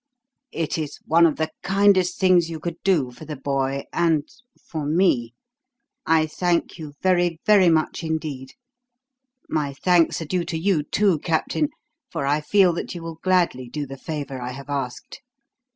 "It is one of the kindest things you could do for the boy and for me. I thank you very, very much indeed. My thanks are due to you, too, Captain; for I feel that you will gladly do the favour I have asked."